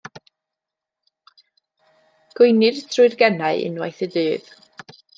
Gweinir trwy'r genau unwaith y dydd.